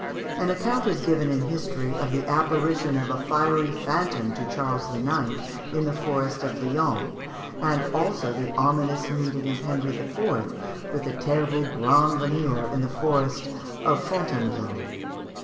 An account is given in history of the apparition of a fiery phantom to Charles IX. in the forest of Lyons, and also the ominous meeting of Henry IV. with the terrible grand veneur in the forest of Fontainebleau.